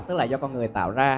tức là do con người tạo ra